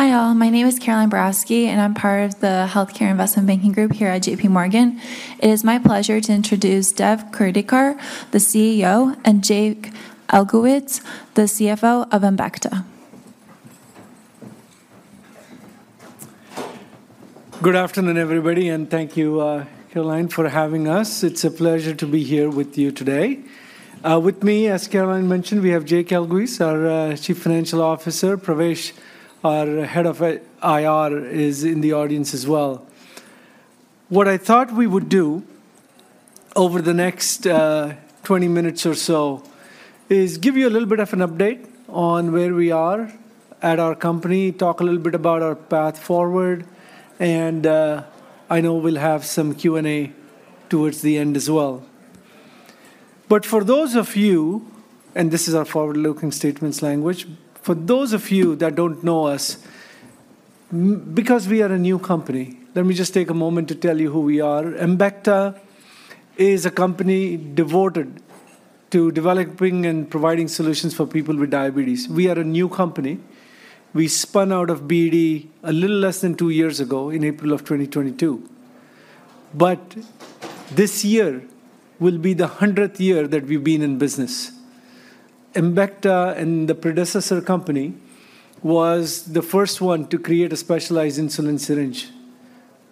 Hi, all. My name is Caroline Barowski, and I'm part of the Healthcare Investment Banking group here at JPMorgan. It is my pleasure to introduce Dev Kurdikar, the CEO, and Jake Elguicze, the CFO of Embecta. Good afternoon, everybody, and thank you, Caroline, for having us. It's a pleasure to be here with you today. With me, as Caroline mentioned, we have Jake Elguicze, our Chief Financial Officer. Pravesh, our head of IR, is in the audience as well. What I thought we would do over the next 20 minutes or so is give you a little bit of an update on where we are at our company, talk a little bit about our path forward, and I know we'll have some Q&A towards the end as well. But for those of you, and this is our forward-looking statements language, for those of you that don't know us, because we are a new company, let me just take a moment to tell you who we are. Embecta is a company devoted to developing and providing solutions for people with diabetes. We are a new company. We spun out of BD a little less than two years ago, in April of 2022. But this year will be the 100th year that we've been in business. Embecta and the predecessor company was the first one to create a specialized insulin syringe.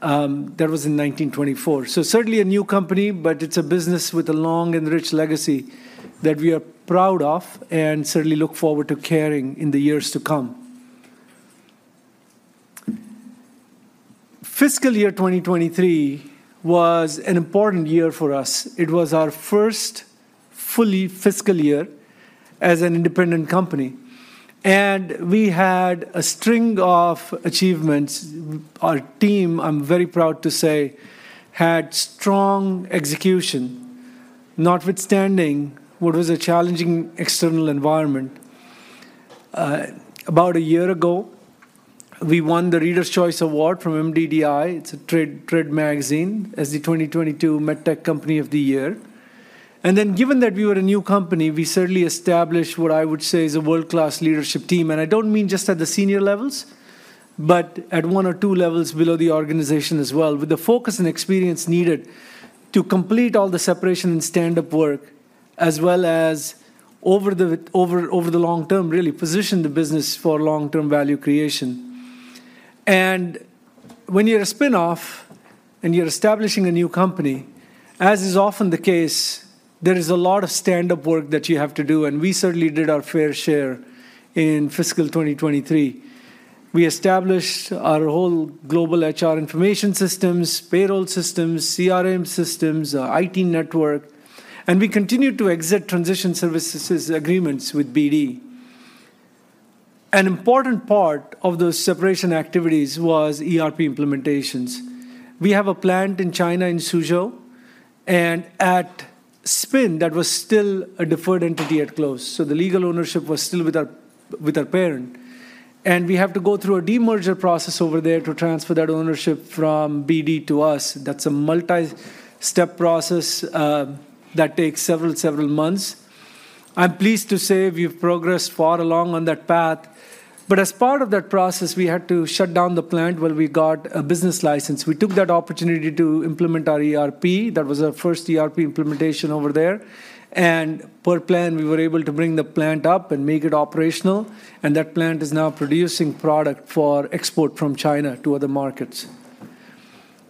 That was in 1924. So certainly a new company, but it's a business with a long and rich legacy that we are proud of and certainly look forward to carrying in the years to come. Fiscal year 2023 was an important year for us. It was our first fully fiscal year as an independent company, and we had a string of achievements. Our team, I'm very proud to say, had strong execution, notwithstanding what was a challenging external environment. About a year ago, we won the Readers' Choice Award from MD+DI. It's a trade magazine, as the 2022 MedTech Company of the Year. And then, given that we were a new company, we certainly established what I would say is a world-class leadership team. And I don't mean just at the senior levels, but at one or two levels below the organization as well, with the focus and experience needed to complete all the separation and stand-up work, as well as over the long term, really position the business for long-term value creation. And when you're a spin-off and you're establishing a new company, as is often the case, there is a lot of stand-up work that you have to do, and we certainly did our fair share in fiscal 2023. We established our whole global HR information systems, payroll systems, CRM systems, IT network, and we continued to exit transition services agreements with BD. An important part of those separation activities was ERP implementations. We have a plant in China, in Suzhou, and at spin, that was still a deferred entity at close, so the legal ownership was still with our parent. We have to go through a demerger process over there to transfer that ownership from BD to us. That's a multi-step process that takes several months. I'm pleased to say we've progressed far along on that path, but as part of that process, we had to shut down the plant while we got a business license. We took that opportunity to implement our ERP. That was our first ERP implementation over there. Per plan, we were able to bring the plant up and make it operational, and that plant is now producing product for export from China to other markets.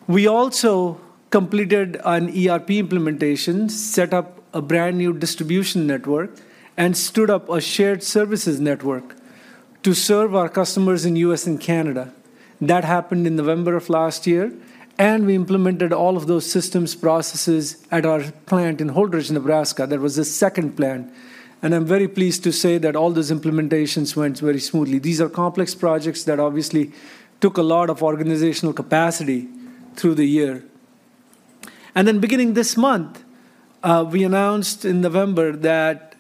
We also completed an ERP implementation, set up a brand-new distribution network, and stood up a shared services network to serve our customers in U.S. and Canada. That happened in November of last year, and we implemented all of those systems, processes at our plant in Holdrege, Nebraska. That was the second plant, and I'm very pleased to say that all those implementations went very smoothly. These are complex projects that obviously took a lot of organizational capacity through the year. And then, beginning this month, we announced in November that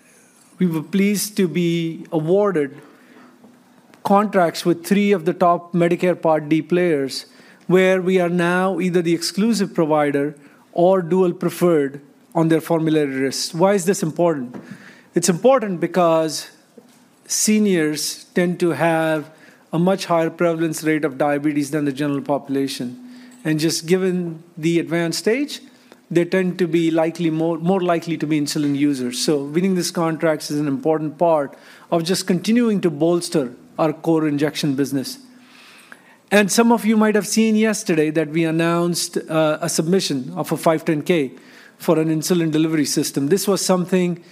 we were pleased to be awarded contracts with three of the top Medicare Part D players, where we are now either the exclusive provider or dual preferred on their formulary lists. Why is this important? It's important because seniors tend to have a much higher prevalence rate of diabetes than the general population. And just given the advanced stage, they tend to be more likely to be insulin users. So winning these contracts is an important part of just continuing to bolster our core injection business. And some of you might have seen yesterday that we announced a submission of a 510(k) for an insulin delivery system. This was something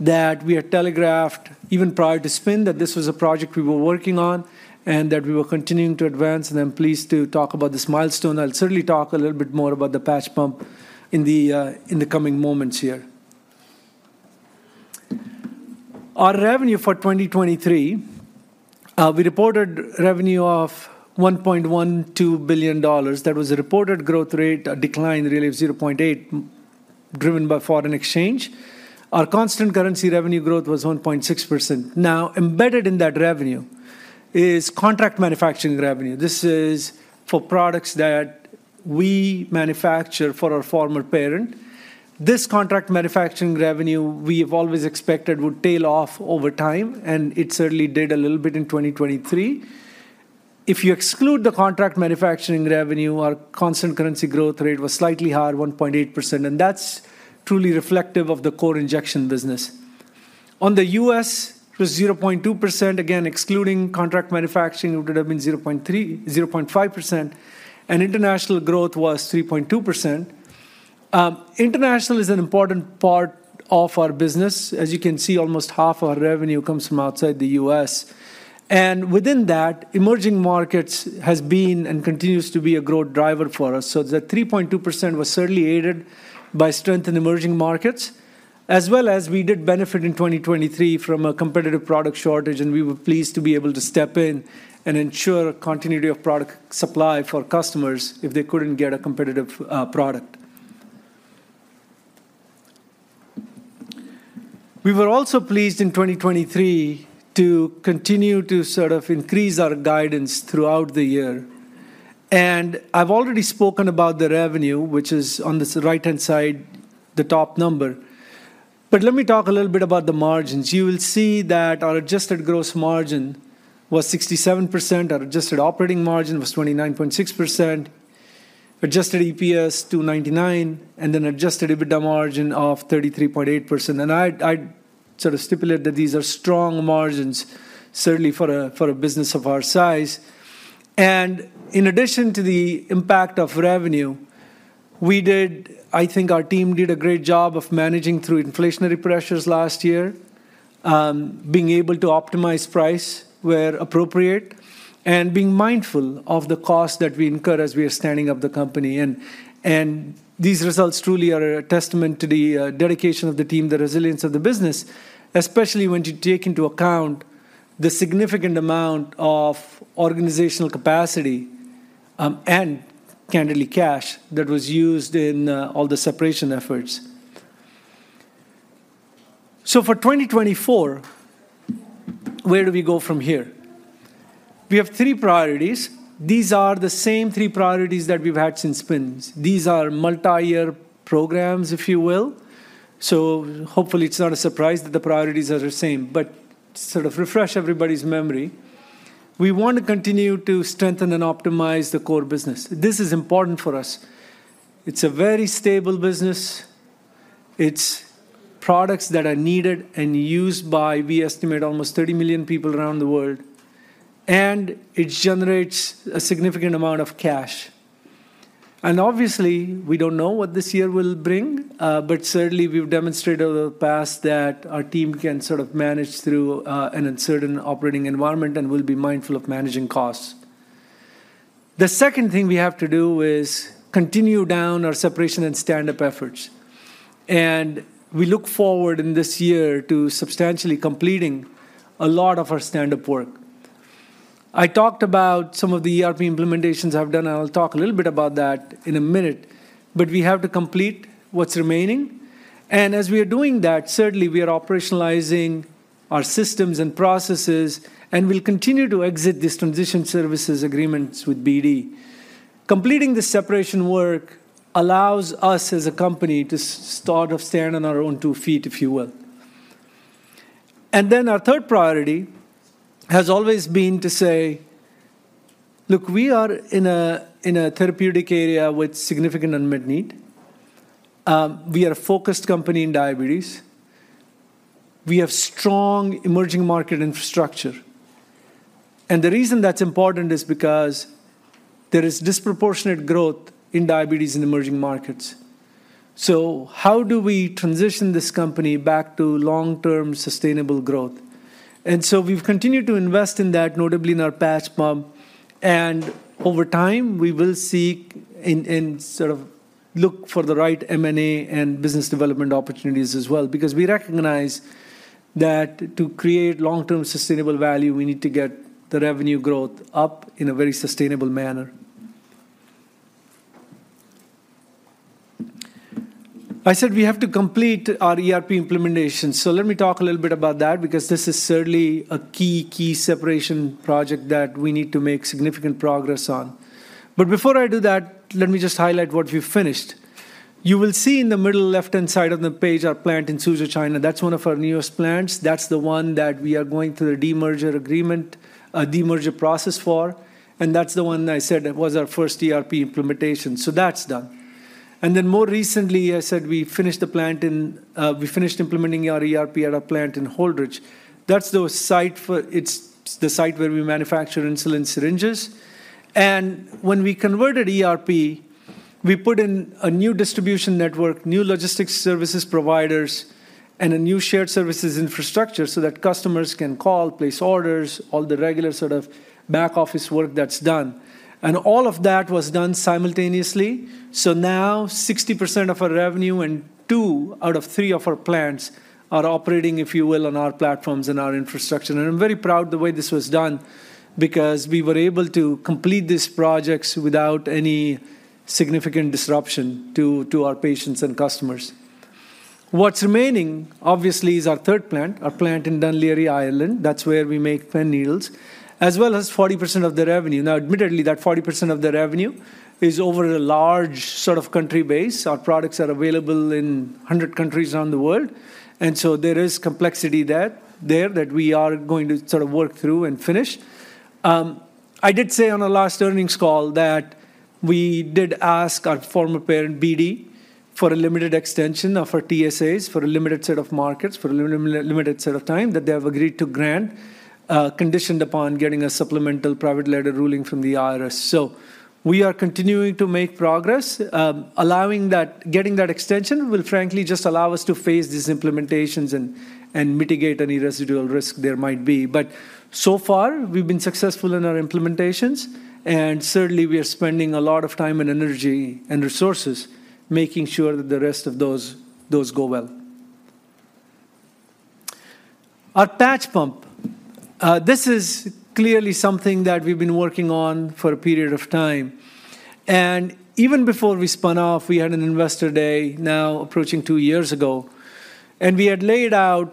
that we had telegraphed even prior to spin, that this was a project we were working on and that we were continuing to advance, and I'm pleased to talk about this milestone. I'll certainly talk a little bit more about the patch pump in the coming moments here. Our revenue for 2023, we reported revenue of $1.12 billion. That was a reported growth rate, a decline, really, of 0.8%, driven by foreign exchange. Our constant currency revenue growth was 1.6%. Now, embedded in that revenue is contract manufacturing revenue. This is for products that we manufacture for our former parent. This contract manufacturing revenue, we have always expected would tail off over time, and it certainly did a little bit in 2023. If you exclude the contract manufacturing revenue, our constant currency growth rate was slightly higher at 1.8%, and that's truly reflective of the core injection business. On the U.S., it was 0.2%, again, excluding contract manufacturing, it would have been 0.3%-0.5%, and international growth was 3.2%. International is an important part of our business. As you can see, almost half our revenue comes from outside the U.S. And within that, emerging markets has been and continues to be a growth driver for us. So the 3.2% was certainly aided by strength in emerging markets, as well as we did benefit in 2023 from a competitive product shortage, and we were pleased to be able to step in and ensure continuity of product supply for customers if they couldn't get a competitive product. We were also pleased in 2023 to continue to sort of increase our guidance throughout the year. And I've already spoken about the revenue, which is on this right-hand side, the top number. But let me talk a little bit about the margins. You will see that our adjusted gross margin was 67%, our adjusted operating margin was 29.6%, adjusted EPS $2.99, and then Adjusted EBITDA margin of 33.8%. I'd, I'd sort of stipulate that these are strong margins, certainly for a, for a business of our size. And in addition to the impact of revenue, we did, I think our team did a great job of managing through inflationary pressures last year, being able to optimize price where appropriate, and being mindful of the costs that we incur as we are standing up the company. And these results truly are a testament to the dedication of the team, the resilience of the business, especially when you take into account the significant amount of organizational capacity, and candidly, cash, that was used in all the separation efforts. So for 2024, where do we go from here? We have three priorities. These are the same three priorities that we've had since spin. These are multi-year programs, if you will. So hopefully, it's not a surprise that the priorities are the same. But to sort of refresh everybody's memory, we want to continue to strengthen and optimize the core business. This is important for us. It's a very stable business. It's products that are needed and used by, we estimate, almost 30 million people around the world, and it generates a significant amount of cash. And obviously, we don't know what this year will bring, but certainly, we've demonstrated in the past that our team can sort of manage through an uncertain operating environment and will be mindful of managing costs. The second thing we have to do is continue down our separation and stand-up efforts, and we look forward in this year to substantially completing a lot of our stand-up work. I talked about some of the ERP implementations I've done, and I'll talk a little bit about that in a minute, but we have to complete what's remaining. And as we are doing that, certainly, we are operationalizing our systems and processes, and we'll continue to exit these transition services agreements with BD. Completing the separation work allows us as a company to start off standing on our own two feet, if you will. And then our third priority has always been to say, "Look, we are in a therapeutic area with significant unmet need. We are a focused company in diabetes. We have strong emerging market infrastructure." And the reason that's important is because there is disproportionate growth in diabetes in emerging markets. So how do we transition this company back to long-term, sustainable growth? And so we've continued to invest in that, notably in our patch pump, and over time, we will seek and sort of look for the right M&A and business development opportunities as well, because we recognize that to create long-term, sustainable value, we need to get the revenue growth up in a very sustainable manner. I said we have to complete our ERP implementation, so let me talk a little bit about that, because this is certainly a key, key separation project that we need to make significant progress on. But before I do that, let me just highlight what we've finished. You will see in the middle left-hand side of the page, our plant in Suzhou, China. That's one of our newest plants. That's the one that we are going through the demerger agreement, demerger process for, and that's the one I said that was our first ERP implementation, so that's done. And then more recently, I said we finished implementing our ERP at our plant in Holdrege. That's the site for—It's the site where we manufacture insulin syringes. And when we converted ERP, we put in a new distribution network, new logistics services providers, and a new shared services infrastructure so that customers can call, place orders, all the regular sort of back-office work that's done. And all of that was done simultaneously. So now 60% of our revenue and two out of three of our plants are operating, if you will, on our platforms and our infrastructure. I'm very proud the way this was done because we were able to complete these projects without any significant disruption to our patients and customers. What's remaining, obviously, is our third plant, our plant in Dún Laoghaire, Ireland. That's where we make pen needles, as well as 40% of the revenue. Now, admittedly, that 40% of the revenue is over a large sort of country base. Our products are available in 100 countries around the world, and so there is complexity there that we are going to sort of work through and finish. I did say on our last earnings call that we did ask our former parent, BD, for a limited extension of our TSAs for a limited set of markets, for a limited set of time, that they have agreed to grant, conditioned upon getting a supplemental private letter ruling from the IRS. So we are continuing to make progress. Allowing that getting that extension will frankly just allow us to phase these implementations and mitigate any residual risk there might be. But so far, we've been successful in our implementations, and certainly we are spending a lot of time and energy and resources making sure that the rest of those go well. Our patch pump, this is clearly something that we've been working on for a period of time, and even before we spun off, we had an investor day, now approaching two years ago, and we had laid out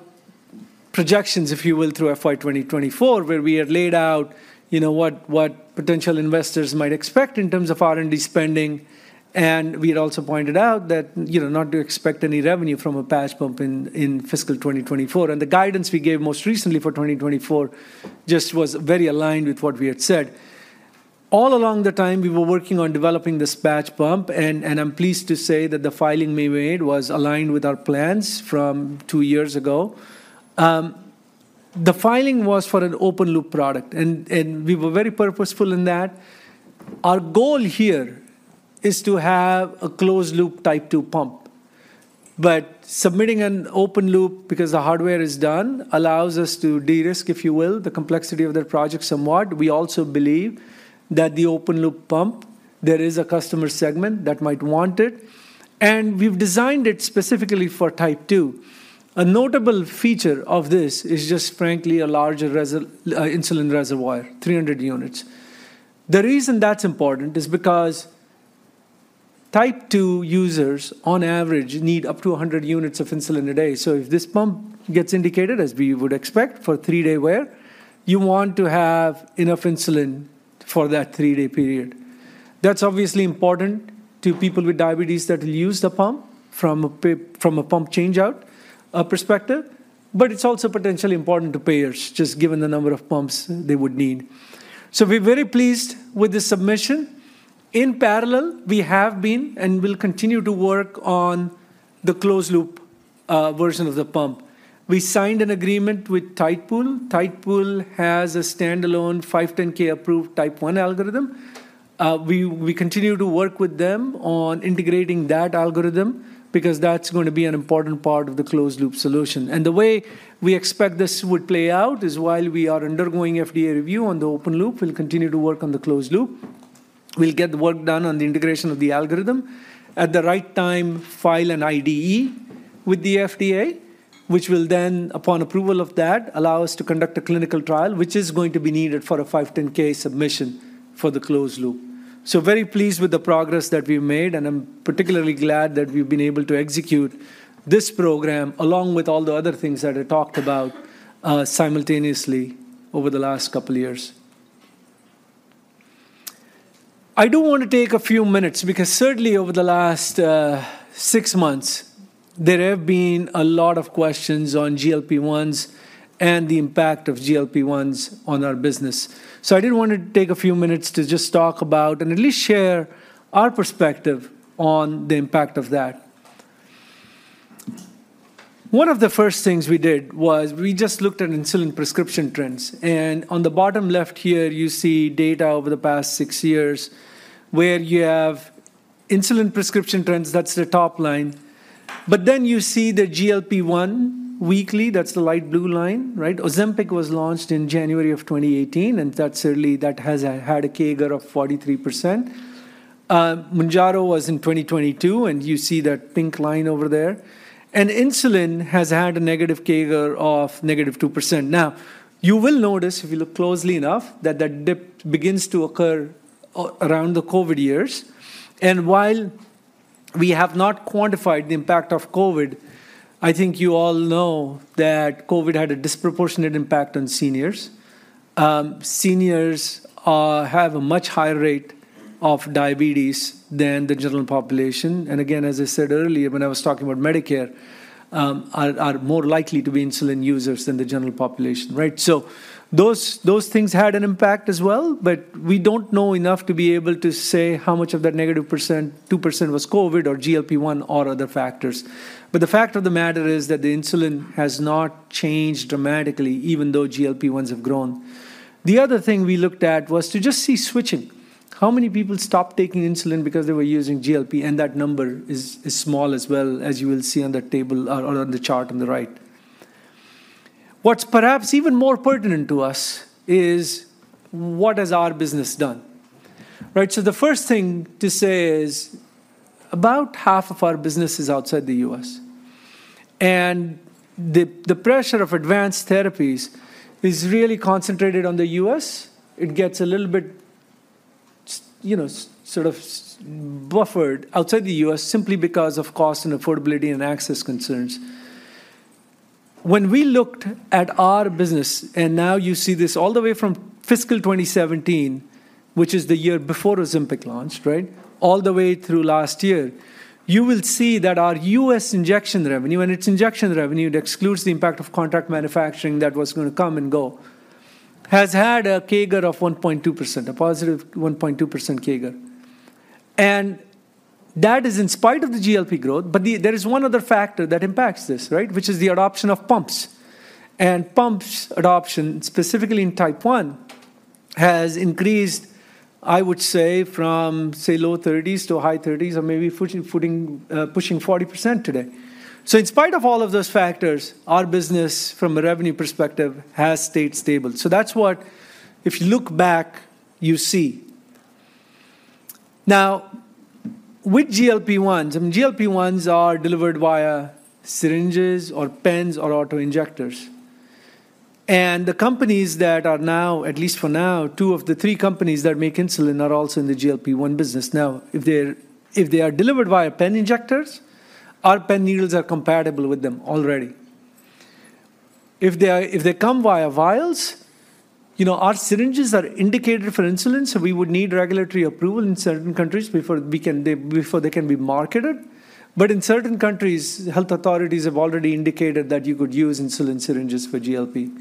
projections, if you will, through FY 2024, where we had laid out, you know, what potential investors might expect in terms of R&D spending. And we had also pointed out that, you know, not to expect any revenue from a patch pump in fiscal 2024, and the guidance we gave most recently for 2024 just was very aligned with what we had said. All along the time, we were working on developing this patch pump, and I'm pleased to say that the filing we made was aligned with our plans from two years ago. The filing was for an open loop product, and we were very purposeful in that. Our goal here is to have a closed loop Type 2 pump, but submitting an open loop because the hardware is done, allows us to de-risk, if you will, the complexity of the project somewhat. We also believe that the open loop pump, there is a customer segment that might want it, and we've designed it specifically for Type 2. A notable feature of this is just frankly a larger reservoir, 300 units. The reason that's important is because Type 2 users, on average, need up to 100 units of insulin a day. So if this pump gets indicated, as we would expect, for three-day wear, you want to have enough insulin for that three-day period. That's obviously important to people with diabetes that will use the pump from a pump change-out perspective, but it's also potentially important to payers, just given the number of pumps they would need. So we're very pleased with the submission. In parallel, we have been and will continue to work on the closed loop version of the pump. We signed an agreement with Tidepool. Tidepool has a standalone 510(k) approved Type 1 algorithm. We continue to work with them on integrating that algorithm because that's going to be an important part of the closed loop solution. And the way we expect this would play out is, while we are undergoing FDA review on the open loop, we'll continue to work on the closed loop. We'll get the work done on the integration of the algorithm, at the right time, file an IDE with the FDA, which will then, upon approval of that, allow us to conduct a clinical trial, which is going to be needed for a 510(k) submission for the closed loop. So very pleased with the progress that we've made, and I'm particularly glad that we've been able to execute this program, along with all the other things that I talked about, simultaneously over the last couple years. I do want to take a few minutes because certainly over the last six months, there have been a lot of questions on GLP-1s and the impact of GLP-1s on our business. So I did want to take a few minutes to just talk about and at least share our perspective on the impact of that. One of the first things we did was we just looked at insulin prescription trends, and on the bottom left here, you see data over the past six years, where you have insulin prescription trends. That's the top line. But then you see the GLP-1 weekly. That's the light blue line, right? Ozempic was launched in January of 2018, and that's certainly, that has had a CAGR of 43%. Mounjaro was in 2022, and you see that pink line over there, and insulin has had a negative CAGR of -2%. Now, you will notice, if you look closely enough, that that dip begins to occur around the COVID years. And while we have not quantified the impact of COVID, I think you all know that COVID had a disproportionate impact on seniors. Seniors have a much higher rate of diabetes than the general population, and again, as I said earlier, when I was talking about Medicare, are more likely to be insulin users than the general population, right? So those things had an impact as well, but we don't know enough to be able to say how much of that negative 2% was COVID or GLP-1 or other factors. But the fact of the matter is that the insulin has not changed dramatically, even though GLP-1s have grown. The other thing we looked at was to just see switching. How many people stopped taking insulin because they were using GLP? And that number is small as well, as you will see on the table or on the chart on the right. What's perhaps even more pertinent to us is: What has our business done? Right, so the first thing to say is, about half of our business is outside the U.S., and the pressure of advanced therapies is really concentrated on the U.S. It gets a little bit, you know, sort of buffered outside the U.S. simply because of cost and affordability and access concerns. When we looked at our business, and now you see this all the way from fiscal 2017, which is the year before Ozempic launched, right? All the way through last year, you will see that our U.S. injection revenue, and it's injection revenue that excludes the impact of contract manufacturing that was gonna come and go, has had a CAGR of 1.2%, a positive 1.2% CAGR. That is in spite of the GLP-1 growth, but there is one other factor that impacts this, right? Which is the adoption of pumps. Pumps adoption, specifically in Type 1, has increased, I would say, from say, low 30s to high 30s or maybe pushing 40% today. So in spite of all of those factors, our business from a revenue perspective has stayed stable. So that's what, if you look back, you see. Now, with GLP-1s, and GLP-1s are delivered via syringes or pens or auto-injectors, and the companies that are now, at least for now, two of the three companies that make insulin are also in the GLP-1 business. Now, if they are delivered via pen injectors, our pen needles are compatible with them already. If they come via vials, you know, our syringes are indicated for insulin, so we would need regulatory approval in certain countries before they can be marketed. But in certain countries, health authorities have already indicated that you could use insulin syringes for GLP.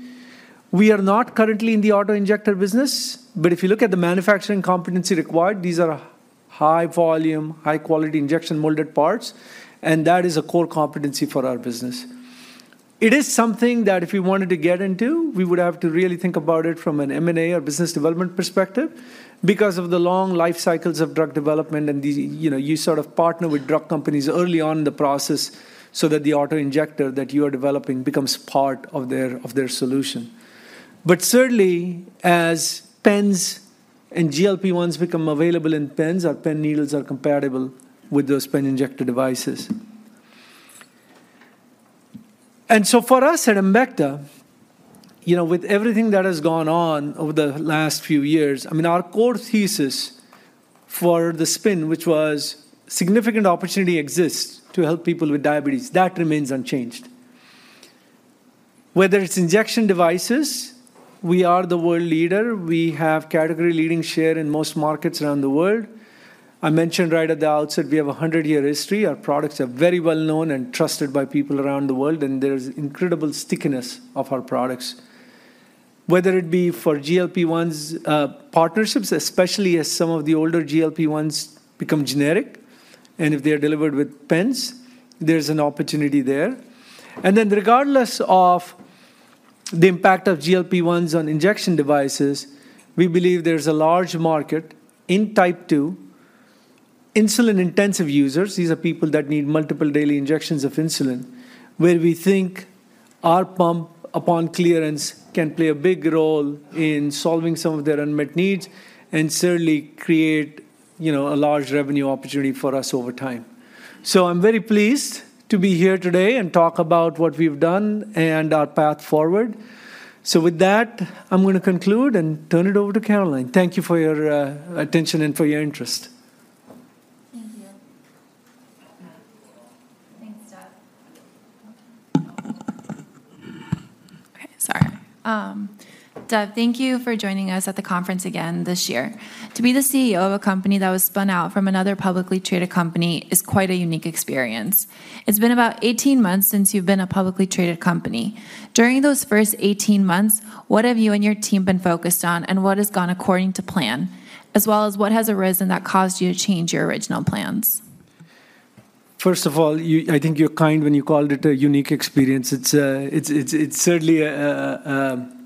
We are not currently in the auto-injector business, but if you look at the manufacturing competency required, these are high volume, high quality injection molded parts, and that is a core competency for our business. It is something that if we wanted to get into, we would have to really think about it from an M&A or business development perspective because of the long life cycles of drug development and the, you know, you sort of partner with drug companies early on in the process so that the auto-injector that you are developing becomes part of their, of their solution. But certainly, as pens and GLP-1s become available in pens, our pen needles are compatible with those pen injector devices. And so for us at Embecta, you know, with everything that has gone on over the last few years, I mean, our core thesis for the spin, which was significant opportunity exists to help people with diabetes, that remains unchanged. Whether it's injection devices, we are the world leader. We have category leading share in most markets around the world. I mentioned right at the outset, we have a 100-year history. Our products are very well known and trusted by people around the world, and there's incredible stickiness of our products. Whether it be for GLP-1s, partnerships, especially as some of the older GLP-1s become generic, and if they are delivered with pens, there's an opportunity there. And then regardless of the impact of GLP-1s on injection devices, we believe there's a large market in Type 2, insulin-intensive users, these are people that need multiple daily injections of insulin, where we think our pump, upon clearance, can play a big role in solving some of their unmet needs and certainly create, you know, a large revenue opportunity for us over time. So I'm very pleased to be here today and talk about what we've done and our path forward. With that, I'm gonna conclude and turn it over to Caroline. Thank you for your attention and for your interest. Thank you. Thanks, Dev. Okay, sorry. Dev, thank you for joining us at the conference again this year. To be the CEO of a company that was spun out from another publicly traded company is quite a unique experience. It's been about 18 months since you've been a publicly traded company. During those first 18 months, what have you and your team been focused on, and what has gone according to plan, as well as what has arisen that caused you to change your original plans? First of all, you—I think you're kind when you called it a unique experience. It's certainly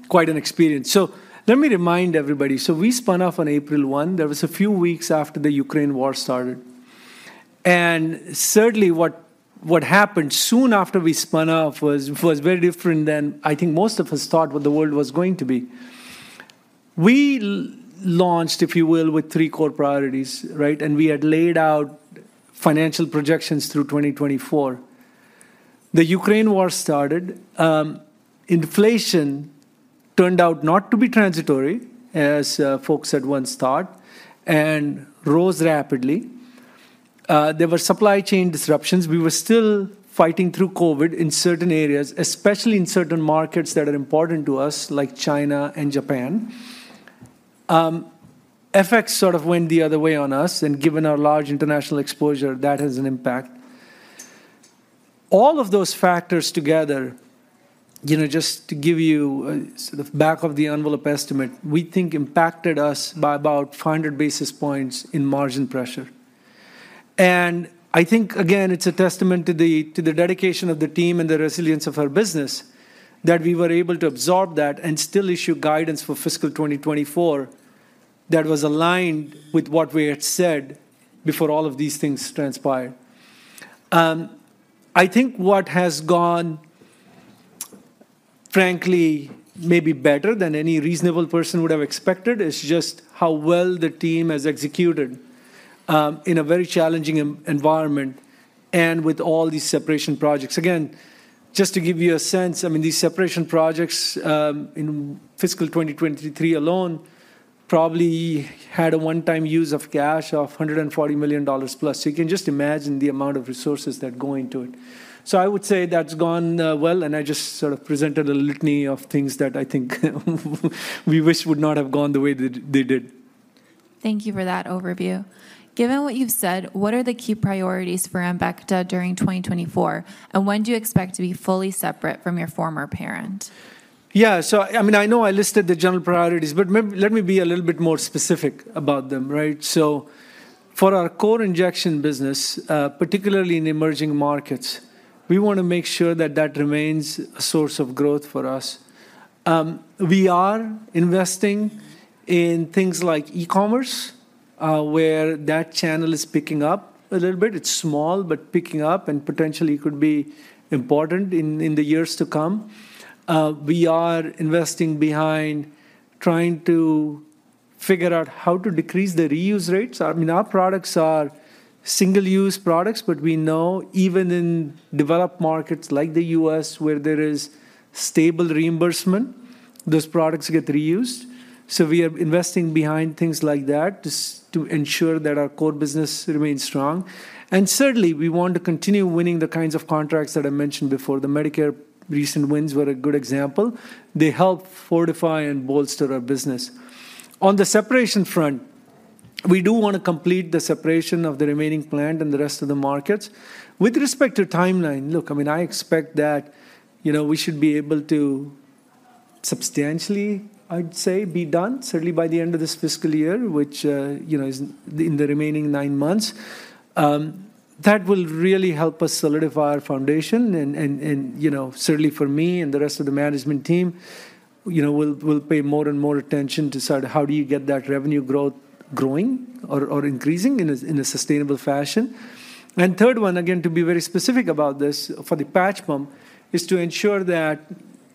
quite an experience. So let me remind everybody, so we spun off on April 1. That was a few weeks after the Ukraine war started, and certainly, what happened soon after we spun off was very different than I think most of us thought what the world was going to be. We launched, if you will, with three core priorities, right? And we had laid out financial projections through 2024. The Ukraine war started. Inflation turned out not to be transitory, as folks had once thought, and rose rapidly. There were supply chain disruptions. We were still fighting through COVID in certain areas, especially in certain markets that are important to us, like China and Japan. FX sort of went the other way on us, and given our large international exposure, that has an impact. All of those factors together, you know, just to give you a sort of back-of-the-envelope estimate, we think impacted us by about 500 basis points in margin pressure. And I think, again, it's a testament to the dedication of the team and the resilience of our business, that we were able to absorb that and still issue guidance for fiscal 2024 that was aligned with what we had said before all of these things transpired. I think what has gone, frankly, maybe better than any reasonable person would have expected, is just how well the team has executed in a very challenging environment and with all these separation projects. Again, just to give you a sense, I mean, these separation projects in fiscal 2023 alone probably had a one-time use of cash of $140 million plus. So you can just imagine the amount of resources that go into it. So I would say that's gone, well, and I just sort of presented a litany of things that I think we wish would not have gone the way that they did. Thank you for that overview. Given what you've said, what are the key priorities for Embecta during 2024, and when do you expect to be fully separate from your former parent? Yeah, so I mean, I know I listed the general priorities, but let me be a little bit more specific about them, right? So for our core injection business, particularly in emerging markets, we wanna make sure that that remains a source of growth for us. We are investing in things like e-commerce, where that channel is picking up a little bit. It's small, but picking up, and potentially could be important in the years to come. We are investing behind trying to figure out how to decrease the reuse rates. I mean, our products are single-use products, but we know even in developed markets like the U.S., where there is stable reimbursement, those products get reused. So we are investing behind things like that, just to ensure that our core business remains strong. Certainly, we want to continue winning the kinds of contracts that I mentioned before. The Medicare recent wins were a good example. They help fortify and bolster our business. On the separation front, we do want to complete the separation of the remaining plant and the rest of the markets. With respect to timeline, look, I mean, I expect that, you know, we should be able to substantially, I'd say, be done certainly by the end of this fiscal year, which, you know, is in the remaining nine months. That will really help us solidify our foundation and, you know, certainly for me and the rest of the management team, you know, we'll, we'll pay more and more attention to sort of how do you get that revenue growth growing or, or increasing in a, in a sustainable fashion. And third one, again, to be very specific about this, for the patch pump, is to ensure that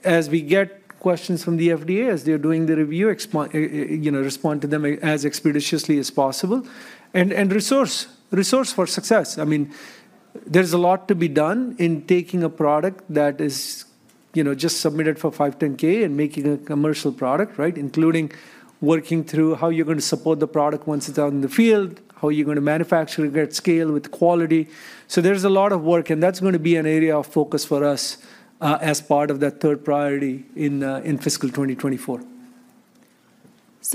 as we get questions from the FDA, as they're doing the review, you know, respond to them as expeditiously as possible. And resource for success. I mean, there's a lot to be done in taking a product that is, you know, just submitted for 510(k) and making a commercial product, right? Including working through how you're gonna support the product once it's out in the field, how you're gonna manufacture it at scale with quality. So there's a lot of work, and that's gonna be an area of focus for us, as part of that third priority in fiscal 2024.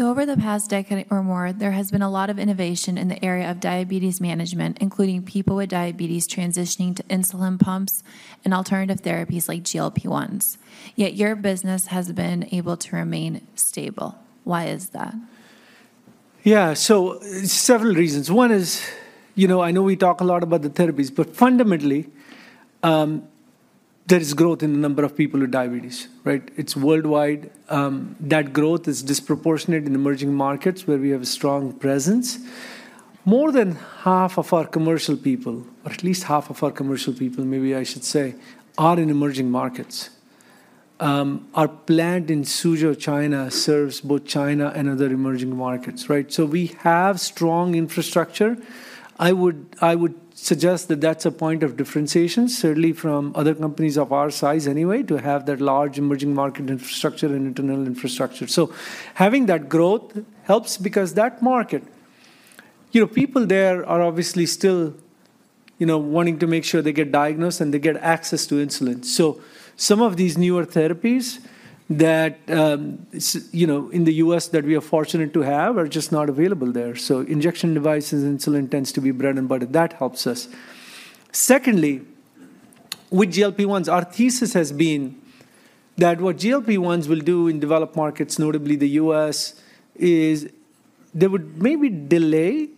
Over the past decade or more, there has been a lot of innovation in the area of diabetes management, including people with diabetes transitioning to insulin pumps and alternative therapies like GLP-1s, yet your business has been able to remain stable. Why is that? Yeah. So several reasons. One is, you know, I know we talk a lot about the therapies, but fundamentally, there is growth in the number of people with diabetes, right? It's worldwide. That growth is disproportionate in emerging markets, where we have a strong presence. More than half of our commercial people, or at least half of our commercial people, maybe I should say, are in emerging markets. Our plant in Suzhou, China, serves both China and other emerging markets, right? So we have strong infrastructure. I would, I would suggest that that's a point of differentiation, certainly from other companies of our size anyway, to have that large emerging market infrastructure and internal infrastructure. So having that growth helps because that market. You know, people there are obviously still, you know, wanting to make sure they get diagnosed and they get access to insulin. So some of these newer therapies that, you know, in the U.S. that we are fortunate to have, are just not available there. So injection devices, insulin tends to be bread and butter. That helps us. Secondly, with GLP-1s, our thesis has been that what GLP-1s will do in developed markets, notably the U.S., is they would maybe delay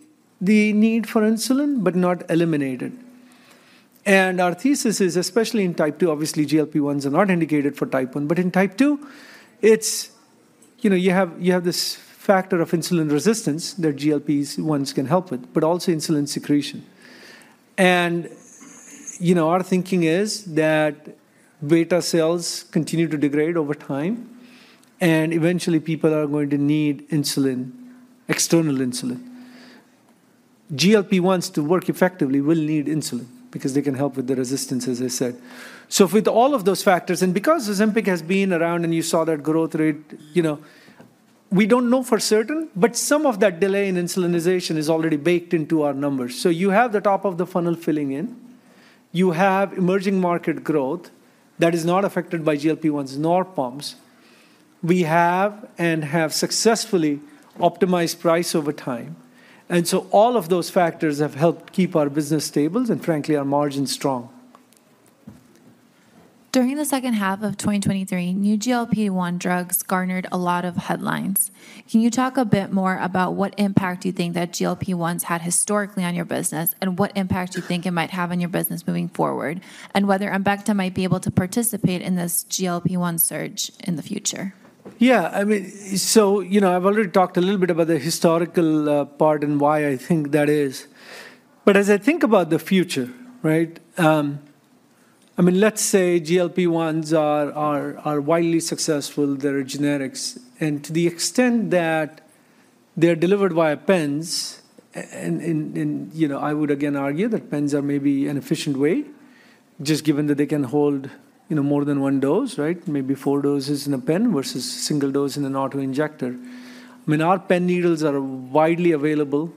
the need for insulin, but not eliminate it. And our thesis is, especially in Type 2, obviously GLP-1s are not indicated for Type 1, but in Type 2, it's... You know, you have this factor of insulin resistance that GLP-1s can help with, but also insulin secretion. And, you know, our thinking is that beta cells continue to degrade over time, and eventually people are going to need insulin, external insulin. GLP-1s, to work effectively, will need insulin because they can help with the resistance, as I said. So with all of those factors, and because Ozempic has been around and you saw that growth rate, you know, we don't know for certain, but some of that delay in insulinization is already baked into our numbers. So you have the top of the funnel filling in. You have emerging market growth that is not affected by GLP-1s nor pumps. We have and have successfully optimized price over time, and so all of those factors have helped keep our business stable and, frankly, our margins strong. During the second half of 2023, new GLP-1 drugs garnered a lot of headlines. Can you talk a bit more about what impact you think that GLP-1s had historically on your business, and what impact you think it might have on your business moving forward, and whether Embecta might be able to participate in this GLP-1 surge in the future? Yeah, I mean... So, you know, I've already talked a little bit about the historical part and why I think that is. But as I think about the future, right... I mean, let's say GLP-1s are widely successful, there are generics, and to the extent that they are delivered via pens, and you know, I would again argue that pens are maybe an efficient way, just given that they can hold, you know, more than one dose, right? Maybe four doses in a pen versus single dose in an auto-injector. I mean, our pen needles are widely available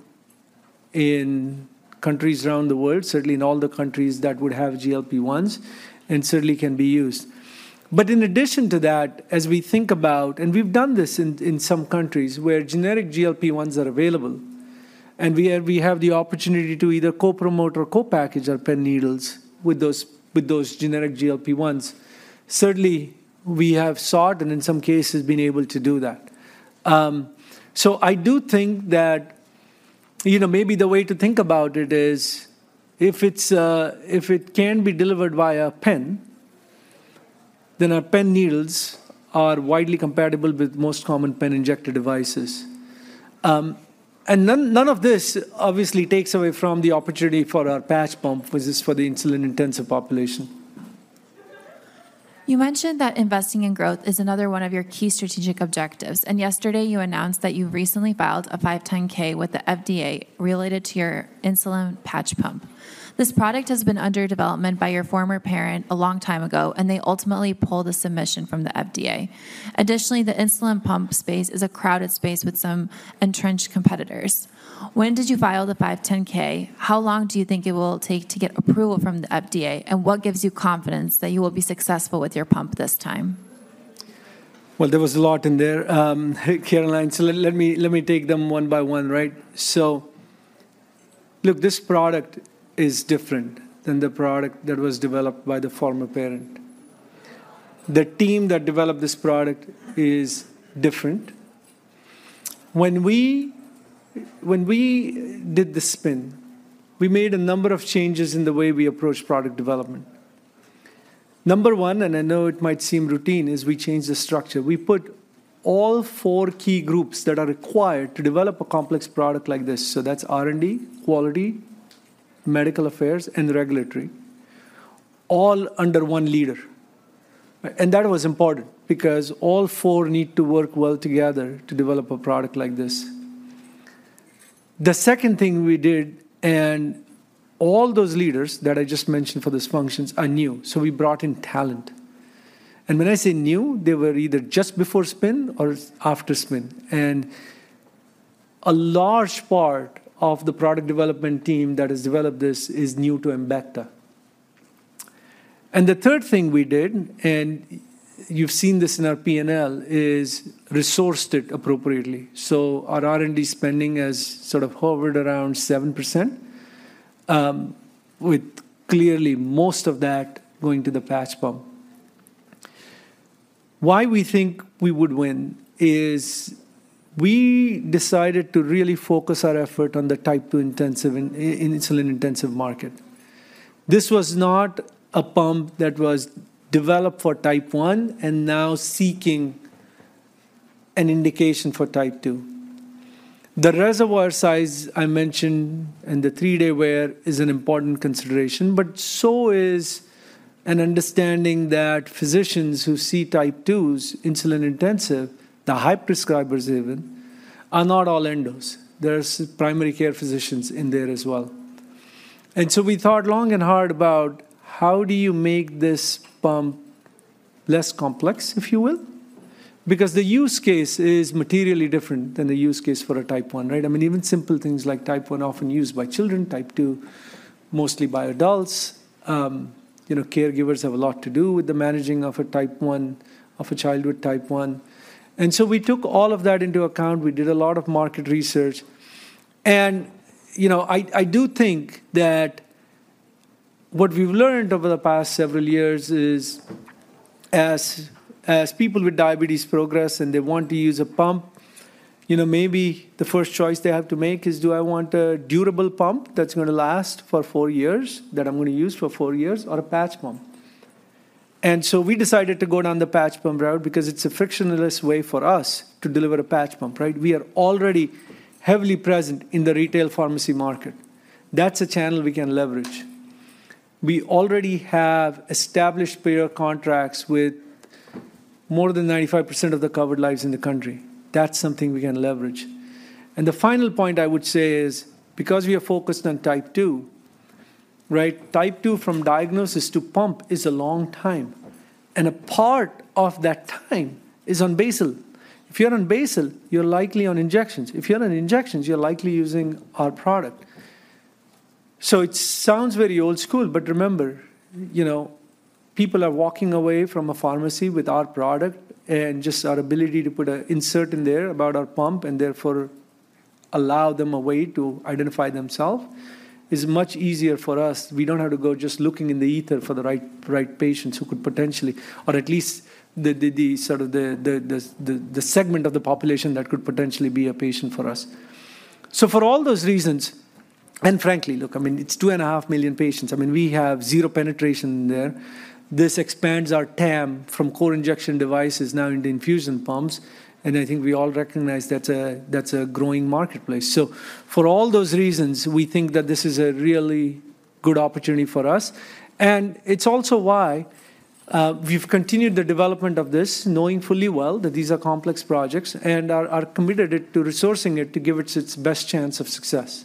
in countries around the world, certainly in all the countries that would have GLP-1s, and certainly can be used. But in addition to that, as we think about, and we've done this in some countries where generic GLP-1s are available, and we have the opportunity to either co-promote or co-package our pen needles with those generic GLP-1s. Certainly, we have sought and in some cases been able to do that. So I do think that, you know, maybe the way to think about it is, if it can be delivered via pen, then our pen needles are widely compatible with most common pen injector devices. And none of this obviously takes away from the opportunity for our patch pump, which is for the insulin-intensive population. You mentioned that investing in growth is another one of your key strategic objectives, and yesterday you announced that you recently filed a 510(k) with the FDA related to your insulin patch pump. This product has been under development by your former parent a long time ago, and they ultimately pulled the submission from the FDA. Additionally, the insulin pump space is a crowded space with some entrenched competitors. When did you file the 510(k)? How long do you think it will take to get approval from the FDA? And what gives you confidence that you will be successful with your pump this time? Well, there was a lot in there, Caroline, so let me take them one by one, right? So look, this product is different than the product that was developed by the former parent. The team that developed this product is different. When we did the spin, we made a number of changes in the way we approach product development. Number one, and I know it might seem routine, is we changed the structure. We put all four key groups that are required to develop a complex product like this, so that's R&D, quality, medical affairs, and regulatory, all under one leader. And that was important because all four need to work well together to develop a product like this. The second thing we did, and all those leaders that I just mentioned for these functions are new, so we brought in talent. When I say new, they were either just before spin or after spin, and a large part of the product development team that has developed this is new to Embecta. The third thing we did, and you've seen this in our P&L, is resourced it appropriately. Our R&D spending has sort of hovered around 7%, with clearly most of that going to the patch pump. Why we think we would win is we decided to really focus our effort on the Type 2 intensive, in insulin-intensive market. This was not a pump that was developed for Type 1 and now seeking an indication for Type 2. The reservoir size I mentioned and the three-day wear is an important consideration, but so is an understanding that physicians who see Type 2s, insulin intensive, the high prescribers even, are not all endos. There's primary care physicians in there as well. And so we thought long and hard about how do you make this pump less complex, if you will? Because the use case is materially different than the use case for a Type 1, right? I mean, even simple things like Type 1 often used by children, Type 2, mostly by adults. You know, caregivers have a lot to do with the managing of a Type 1, of a child with Type 1. And so we took all of that into account. We did a lot of market research. You know, I do think that what we've learned over the past several years is as people with diabetes progress and they want to use a pump, you know, maybe the first choice they have to make is, "Do I want a durable pump that's gonna last for four years, that I'm gonna use for four years, or a patch pump?" And so we decided to go down the patch pump route because it's a frictionless way for us to deliver a patch pump, right? We are already heavily present in the retail pharmacy market. That's a channel we can leverage. We already have established payer contracts with more than 95% of the covered lives in the country. That's something we can leverage. And the final point I would say is, because we are focused on Type 2, right? Type 2, from diagnosis to pump, is a long time, and a part of that time is on basal. If you're on basal, you're likely on injections. If you're on injections, you're likely using our product. So it sounds very old school, but remember, you know, people are walking away from a pharmacy with our product, and just our ability to put an insert in there about our pump and therefore allow them a way to identify themselves, is much easier for us. We don't have to go just looking in the ether for the right patients who could potentially... or at least the sort of segment of the population that could potentially be a patient for us. So for all those reasons, and frankly, look, I mean, it's 2.5 million patients. I mean, we have zero penetration there.... This expands our TAM from core injection devices now into infusion pumps, and I think we all recognize that's a growing marketplace. So for all those reasons, we think that this is a really good opportunity for us, and it's also why we've continued the development of this, knowing fully well that these are complex projects, and are committed to resourcing it to give it its best chance of success.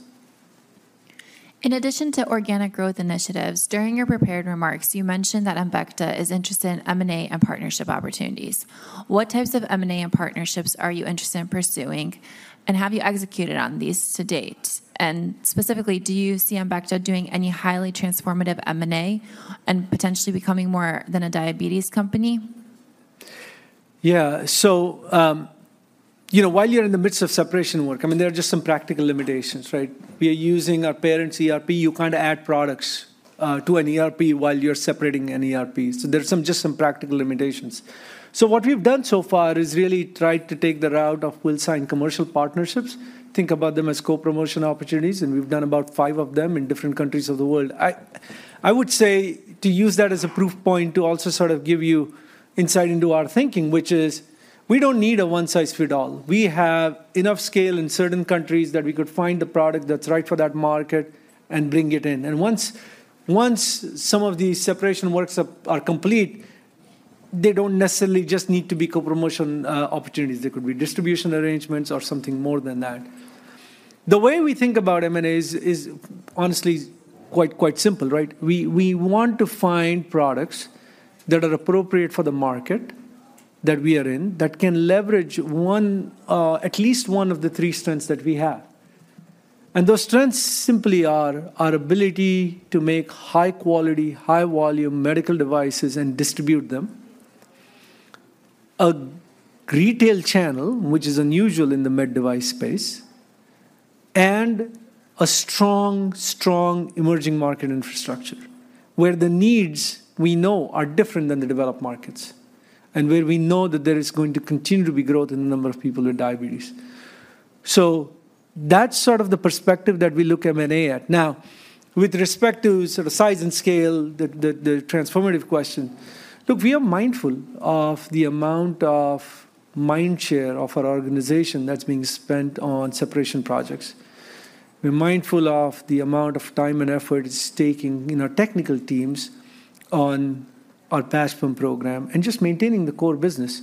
In addition to organic growth initiatives, during your prepared remarks, you mentioned that Embecta is interested in M&A and partnership opportunities. What types of M&A and partnerships are you interested in pursuing, and have you executed on these to date? And specifically, do you see Embecta doing any highly transformative M&A and potentially becoming more than a diabetes company? Yeah, so, you know, while you're in the midst of separation work, I mean, there are just some practical limitations, right? We are using our parent's ERP. You can't add products to an ERP while you're separating an ERP, so there are some, just some practical limitations. So what we've done so far is really tried to take the route of we'll sign commercial partnerships, think about them as co-promotion opportunities, and we've done about five of them in different countries of the world. I would say to use that as a proof point to also sort of give you insight into our thinking, which is, we don't need a one-size-fits-all. We have enough scale in certain countries that we could find the product that's right for that market and bring it in. Once some of these separation works are complete, they don't necessarily just need to be co-promotion opportunities. They could be distribution arrangements or something more than that. The way we think about M&A is honestly quite simple, right? We want to find products that are appropriate for the market that we are in, that can leverage one, at least one of the three strengths that we have. And those strengths simply are our ability to make high-quality, high-volume medical devices and distribute them. A retail channel, which is unusual in the med device space. And a strong, strong emerging market infrastructure, where the needs we know are different than the developed markets, and where we know that there is going to continue to be growth in the number of people with diabetes. So that's sort of the perspective that we look at M&A. Now, with respect to sort of size and scale, the transformative question, look, we are mindful of the amount of mind share of our organization that's being spent on separation projects. We're mindful of the amount of time and effort it's taking in our technical teams on our patch pump program and just maintaining the core business.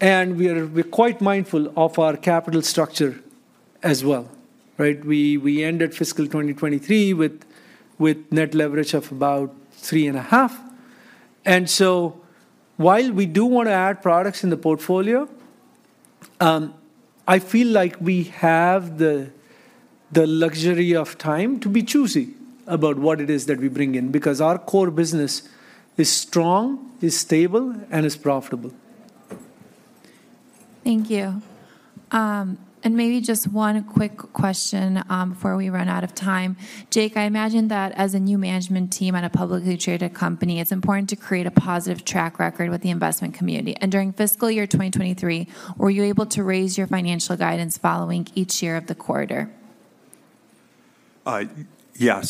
And we are—we're quite mindful of our capital structure as well, right? We ended fiscal 2023 with net leverage of about three and a half. And so while we do want to add products in the portfolio, I feel like we have the luxury of time to be choosy about what it is that we bring in, because our core business is strong, is stable, and is profitable. Thank you. Maybe just one quick question, before we run out of time. Jake, I imagine that as a new management team on a publicly traded company, it's important to create a positive track record with the investment community. During fiscal year 2023, were you able to raise your financial guidance following each quarter of the year? Yeah.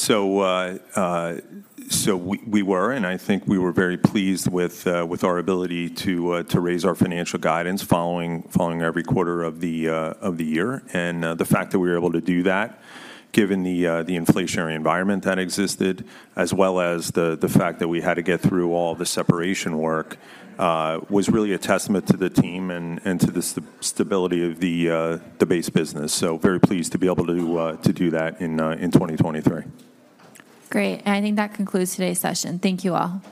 So we were, and I think we were very pleased with our ability to raise our financial guidance following every quarter of the year. And the fact that we were able to do that, given the inflationary environment that existed, as well as the fact that we had to get through all the separation work, was really a testament to the team and to the stability of the base business. So very pleased to be able to do that in 2023. Great. And I think that concludes today's session. Thank you, all.